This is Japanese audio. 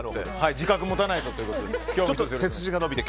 自覚を持たないとということで。